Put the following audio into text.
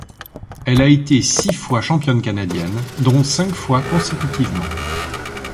Elle a été six fois championne canadienne, dont cinq fois consécutivement.